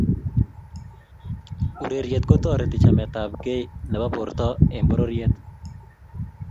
ureryeet kotoreti chametabgei nebo borto eng bororiet